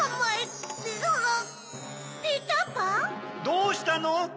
どうしたの？